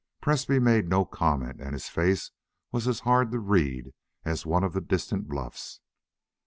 Presbrey made no comment and his face was as hard to read as one of the distant bluffs.